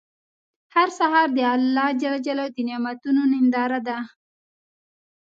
هر سهار د الله د نعمتونو ننداره ده.